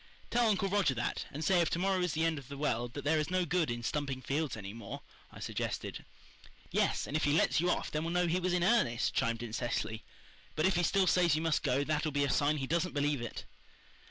"Tell Uncle Roger that, and say if to morrow is the end of the world that there is no good in stumping any more fields," I suggested. "Yes, and if he lets you off then we'll know he was in earnest," chimed in Cecily. "But if he still says you must go that'll be a sign he doesn't believe it."